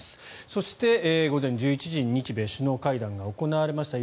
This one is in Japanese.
そして、午前１１時に日米首脳会談が行われました。